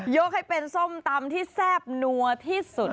ยกให้เป็นส้มตำที่แซ่บนัวที่สุด